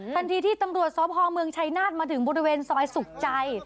ทันทีที่ตำรวจสพเมืองชัยนาธิ์มาถึงบริเวณซอยสุขใจ